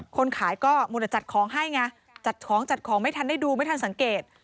คนขายก็มัวแต่จัดของให้ไงจัดของจัดของไม่ทันได้ดูไม่ทันสังเกต